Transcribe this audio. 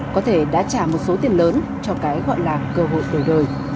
có thể đã trả một số tiền lớn cho cái gọi là cơ hội đổi đời